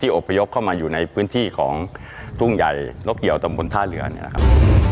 อบพยพเข้ามาอยู่ในพื้นที่ของทุ่งใหญ่นกเหี่ยวตำบลท่าเรือเนี่ยนะครับ